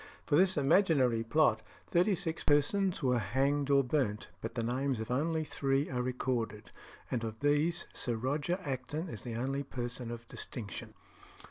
For this imaginary plot thirty six persons were hanged or burnt; but the names of only three are recorded, and of these Sir Roger Acton is the only person of distinction.